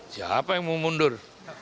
siapa yang mau mundur